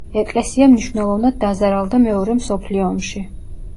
ეკლესია მნიშვნელოვნად დაზარალდა მეორე მსოფლიო ომში.